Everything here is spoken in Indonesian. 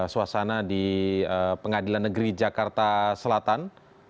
suasana di pengadilan negeri jakarta selatan